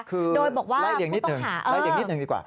คือไล่เหลี่ยงนิดหนึ่งดีกว่า